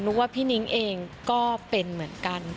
ว่าพี่นิ้งเองก็เป็นเหมือนกัน